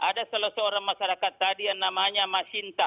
ada seorang masyarakat tadi yang namanya mas sinta